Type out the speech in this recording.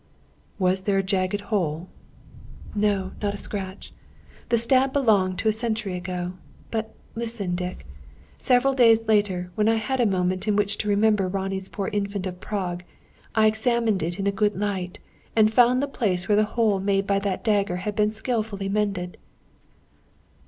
"Was there a jagged hole " "No, not a scratch. The stab belonged to a century ago. But, listen Dick! Several days later, when I had a moment in which to remember Ronnie's poor Infant of Prague, I examined it in a good light, and found the place where the hole made by that dagger had been skilfully mended."